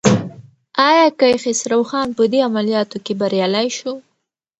ایا کیخسرو خان په دې عملیاتو کې بریالی شو؟